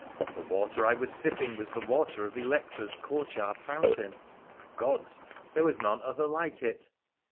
The water I was sipping was the water of Electra's courtyard fountain ! Gods ! there was none other like it.